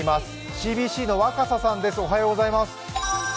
ＣＢＣの若狭さんです。